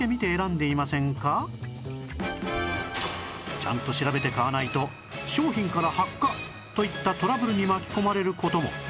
ちゃんと調べて買わないと商品から発火といったトラブルに巻き込まれる事も